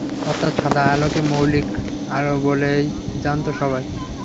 অর্থাৎ সাদা আলোকে মৌলিক আলো বলেই জানত সবাই।